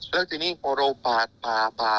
แล้วทีนี้พอเราปาด